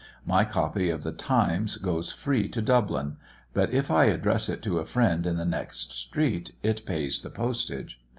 My copy of the Times goes free to Dublin; but if I address it to a friend in the next street, it pays the postage.